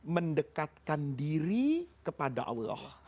mendekatkan diri kepada allah